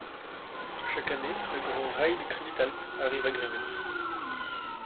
Chaque année, le Grand Raid Cristalp arrive à Grimentz.